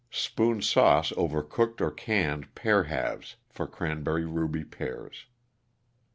= Spoon sauce over cooked or canned pear halves for Cranberry Ruby Pears.